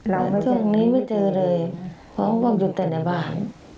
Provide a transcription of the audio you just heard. เราตอนนี้ไม่เจอเลยเพราะว่าอยู่แต่ในบ้าน